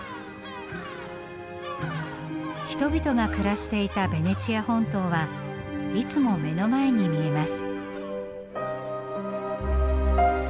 人々が暮らしていたベネチア本島はいつも目の前に見えます。